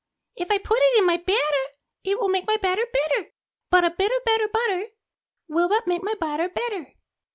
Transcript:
If I put it in my batter It will make my batter bitter. But a bit o' better butter Will but make my batter better."